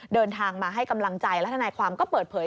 เดินทางมาให้กำลังใจและทนายความก็เปิดเผย